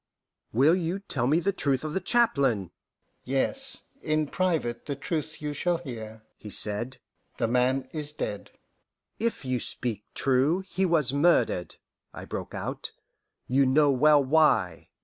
"Will you tell me the truth of the chaplain?" "Yes, in private the truth you shall hear," he said. "The man is dead." "If you speak true, he was murdered," I broke out. "You know well why."